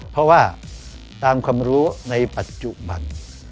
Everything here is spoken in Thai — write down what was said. เพราะว่าตามความรู้ในปัจจุบัน